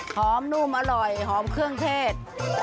นุ่มอร่อยหอมเครื่องเทศ